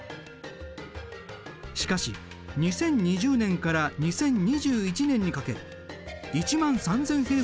しかし２０２０年から２０２１年にかけ１万３，０００